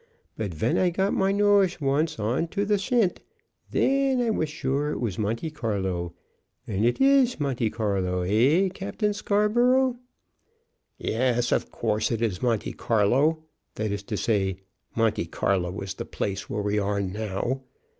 But ven I got my noshe once on to the schent then I was sure it was Monte Carlo. And it ish Monte Carlo; eh, Captain Scarborough?" "Yes; of course it is Monte Carlo. That is to say, Monte Carlo is the place where we are now.